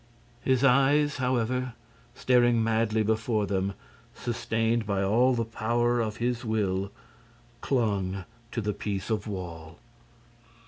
His eyes, however, staring madly before them, sustained by all the power of his will, clung to the piece of wall.